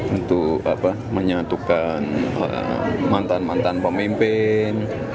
untuk menyatukan mantan mantan pemimpin